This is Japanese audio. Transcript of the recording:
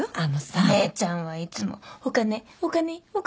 お姉ちゃんはいつもお金お金お金。